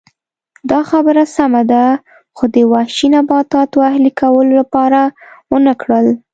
دا خبره سمه ده خو د وحشي نباتاتو اهلي کولو لپاره ونه کړل